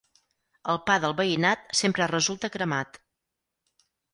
El pa del veïnat sempre resulta cremat.